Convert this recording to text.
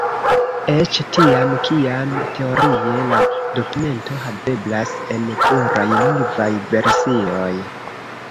Eĉ tiam, kiam teorie la dokumento haveblas en pluraj lingvaj versioj.